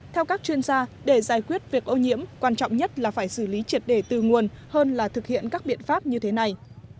theo các chuyên gia để giải quyết việc ô nhiễm quan trọng nhất là phải xử lý triệt đề từ nguồn hơn là thực hiện các biện pháp như thế này